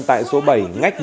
tại số bảy ngách